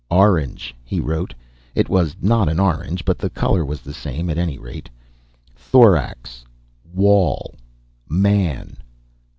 "ORANGE," he wrote it was not an orange, but the color was the same, at any rate "THORAX. WALL. MAN.